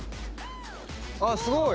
あすごい！